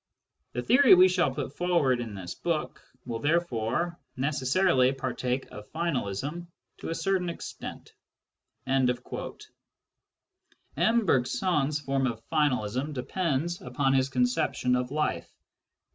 The theory we shall put forward in this book will therefore necessarily partake of finalism to a certain extent." M. Bergson's form of finalism depends upon his con ception of life.